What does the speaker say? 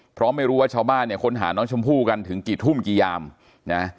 เพราะไม่รู้ว่าชาวบ้านเนี่ยค้นหาน้องชมพู่กันถึงกี่ทุ่มกี่ยามนะ